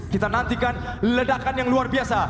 kita nantikan ledakan yang luar biasa